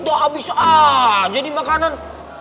dah abis aja nih makanan